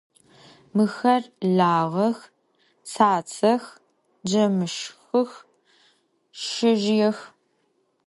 Mıxer lağex, tsatsex, cemışşxıx, şezjıêx.